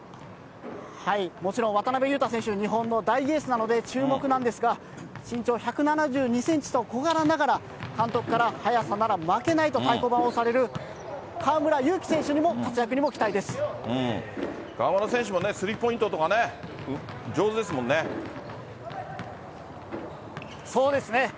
もちろん渡邊雄太選手、日本の大エースなので注目なんですが、身長１７２センチと小柄ながら、監督から速さなら負けないと太鼓判を押される河村勇輝選手にも活河村選手もスリーポイントとそうですね。